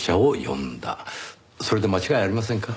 それで間違いありませんか？